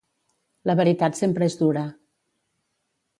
La veritat sempre és dura.